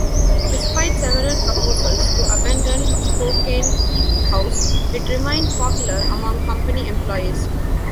Despite several proposals to abandon Spokane House, it remained popular among company employees.